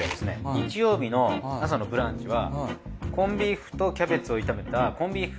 日曜日の朝のブランチはコンビーフとキャベツを炒めたコンビーフ